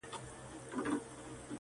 • زما په ږغ به د سرو ګلو غنچي وا سي,